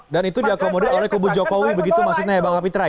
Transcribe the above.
dan itu diakomodir oleh kubu jokowi begitu maksudnya bang kapitra ya